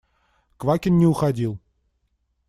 Квакин не уходил.